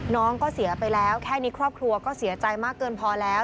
น้องก็เสียไปแล้วแค่นี้ครอบครัวก็เสียใจมากเกินพอแล้ว